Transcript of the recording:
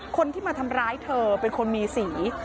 คนที่มาทำร้ายเธอเป็นคนมีสี